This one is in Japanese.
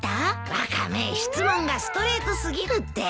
ワカメ質問がストレート過ぎるって。